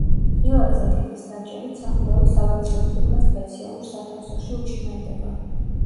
ღილაკზე თითის დაჭერით სახურავი სავარძლების უკან სპეციალურ სათავსოში „უჩინარდება“.